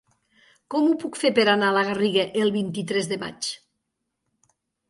Com ho puc fer per anar a la Garriga el vint-i-tres de maig?